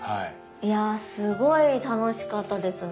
いやすごい楽しかったですね。